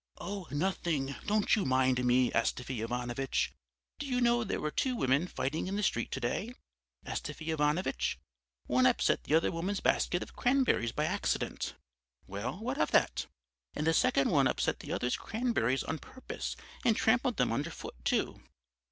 "'Oh, nothing; don't you mind me, Astafy Ivanovitch. Do you know there were two women fighting in the street to day, Astafy Ivanovitch? One upset the other woman's basket of cranberries by accident.' "'Well, what of that?' "'And the second one upset the other's cranberries on purpose and trampled them under foot, too.'